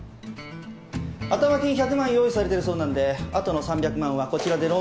頭金１００万用意されてるそうなんであとの３００万はこちらでローンを組ませていただいて。